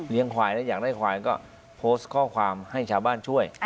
ควายแล้วอยากได้ควายก็โพสต์ข้อความให้ชาวบ้านช่วย